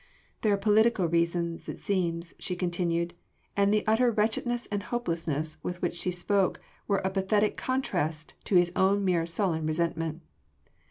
"There are political reasons it seems," she continued, and the utter wretchedness and hopelessness with which she spoke were a pathetic contrast to his own mere sullen resentment.